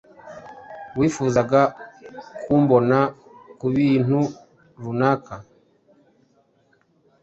Wifuzaga kumbona kubintu runaka?